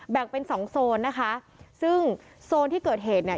แบ่งเป็นสองโซนนะคะซึ่งโซนที่เกิดเหตุเนี่ย